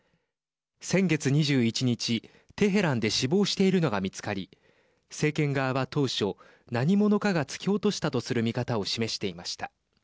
先月２１日、テヘランで死亡しているのが見つかり政権側は当初、何者かが突き落としたとする見方を示していました。